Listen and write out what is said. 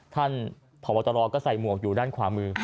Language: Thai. ท่านพบตรก็ใส่หมวกอยู่ด้านขวามือ